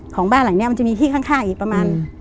ของบ้านหลังนี้มันจะมีที่ข้างอีกประมาณ